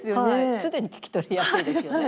すでに聞き取りやすいですよね。